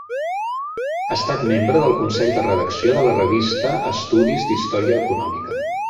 Ha estat membre del Consell de Redacció de la revista Estudis d'Història Econòmica.